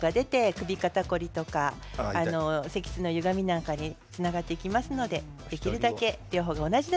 首、肩凝りとか脊椎のゆがみなんかにつながってきますのでできるだけ